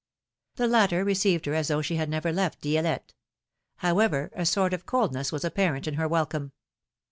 The latter received her as though she had never left Di6lette ; however, a sort of coldness was apparent in her welcome.